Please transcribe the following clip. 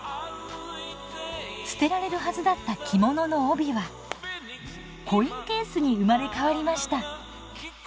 捨てられるはずだった着物の帯はコインケースに生まれ変わりました。